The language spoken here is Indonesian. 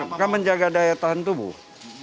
maka menjaga daya tahan tubuh